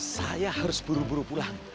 saya harus buru buru pulang